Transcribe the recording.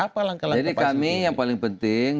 jadi kami yang paling penting